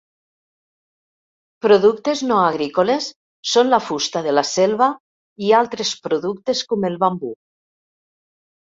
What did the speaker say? Productes no agrícoles són la fusta de la selva i altres productes com el bambú.